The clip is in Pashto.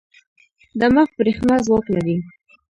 دماغ برېښنا ځواک لري.